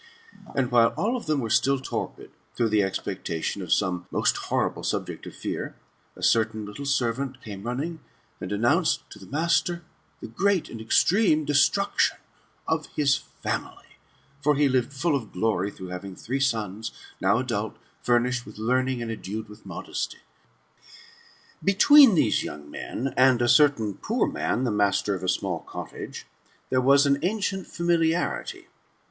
And white all of them were still torpid, through the ex pectation of some most horrible subject of fear, a certain little servant came running, and announced to his master the great and extreme destruction of his family; for he lived full of glory, through having three sons, now adult, furnished with learning, and endued with modesty. Between these young men, and a certain poor man, 4he master of a small cottage, there was an ancient familiarity.